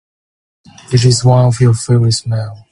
This is one of your favorite smell.